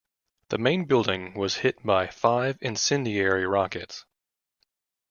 The main building was hit by five incendiary rockets.